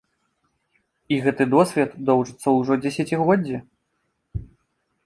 І гэты досвед доўжыцца ўжо дзесяцігоддзі.